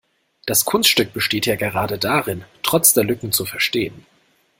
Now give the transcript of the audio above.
Das Kunststück besteht ja gerade darin, trotz der Lücken zu verstehen.